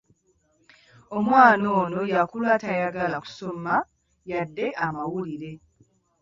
Omwana ono yakula tayagala kusoma yadde amawulire.